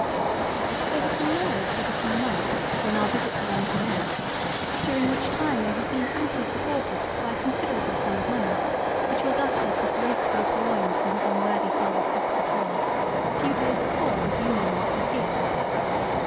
They had been married but a few months when our visit to them commenced during which time they had been amply supported by a considerable sum of money which Augustus had gracefully purloined from his unworthy father's Escritoire, a few days before his union with Sophia.